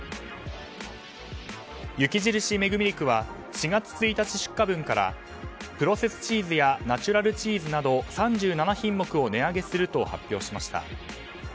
雪印メグミルクは４月１日出荷分からプロセスチーズやナチュラルチーズなど３７品目を値上げすると発表しました。